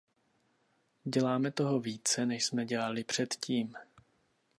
Děláme toho více, než jsme dělali předtím.